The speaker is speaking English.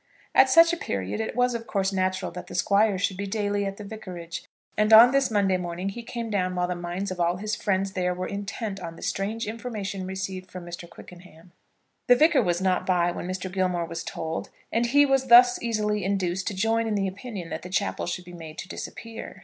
At such a period it was of course natural that the Squire should be daily at the vicarage, and on this Monday morning he came down while the minds of all his friends there were intent on the strange information received from Mr. Quickenham. The Vicar was not by when Mr. Gilmore was told, and he was thus easily induced to join in the opinion that the chapel should be made to disappear.